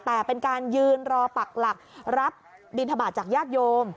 แต่เป็นการยืนรอปักหลักรับบินทบาทจากญาติโยม